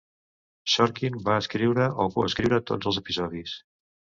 Sorkin va escriure o coescriure tots els episodis.